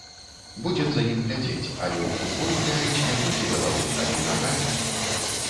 Будзем за ім глядзець, але ў футбол гуляюць не толькі галавой, але і нагамі.